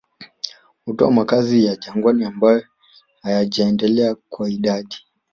Hutoa makazi ya jangwani ambayo hayajaendelea kwa idadi